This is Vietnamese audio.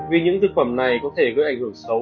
vì những thực phẩm này có thể gây ảnh hưởng xấu